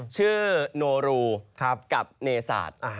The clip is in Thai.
ชื่อโนรูกับเนศาสตร์